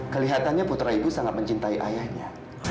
kelihatannya putra ibu sangat mencintai ayahnya